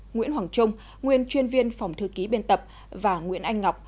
nguyễn hoàng trung nguyên chuyên viên phòng thư ký biên tập và nguyễn anh ngọc